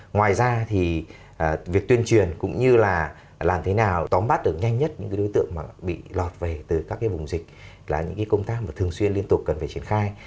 ngoài ra thì việc tuyên truyền cũng như là làm thế nào tóm bắt được nhanh nhất những cái đối tượng mà bị lọt về từ các cái vùng dịch là những cái công tác mà thường xuyên liên tục cần phải triển khai